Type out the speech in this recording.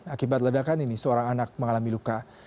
akibat ledakan ini seorang anak mengalami luka